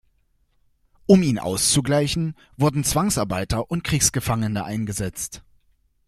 Um ihn auszugleichen, wurden Zwangsarbeiter und Kriegsgefangene eingesetzt.